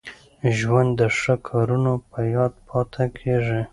ژوند د ښو کارونو په یاد پاته کېږي.